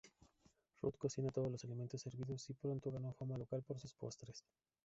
Ruth cocinaba todos los alimentos servidos y pronto ganó fama local por sus postres.